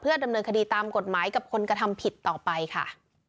ดำเนินคดีตามกฎหมายกับคนกระทำผิดต่อไปค่ะ